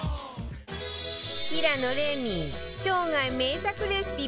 平野レミ生涯名作レシピ